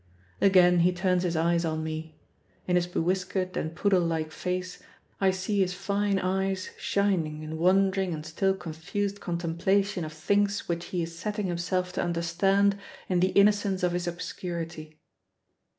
Again he turns his eyes on me. In his bewhiskered and poodle like face I see his fine eyes shining in wondering and still confused contemplation of things which he is setting himself to understand in the innocence of his obscurity.